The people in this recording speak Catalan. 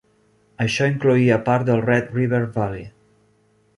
Això incloïa part del Red River Valley.